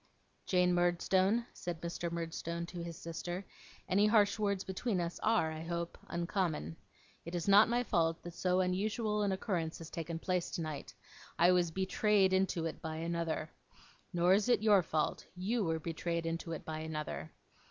'Jane Murdstone,' said Mr. Murdstone to his sister, 'any harsh words between us are, I hope, uncommon. It is not my fault that so unusual an occurrence has taken place tonight. I was betrayed into it by another. Nor is it your fault. You were betrayed into it by another.